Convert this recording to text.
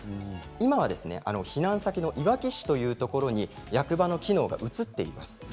今は避難先の、いわき市というところに役場機能が移っています。